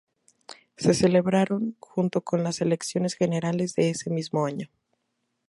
Se celebraron junto con las elecciones generales de ese mismo año.